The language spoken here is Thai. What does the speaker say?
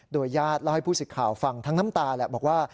ญาติเล่าให้ผู้สิทธิ์ข่าวฟังทั้งน้ำตาแหละบอกว่า